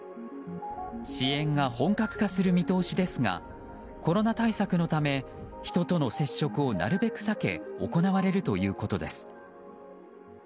支援が本格化する見通しですがコロナ対策のため人との接触をなるべく避け行われるということです。